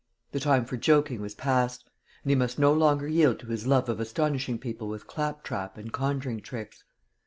The time for joking was past; and he must no longer yield to his love of astonishing people with claptrap and conjuring tricks.